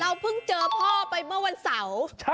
เพิ่งเจอพ่อไปเมื่อวันเสาร์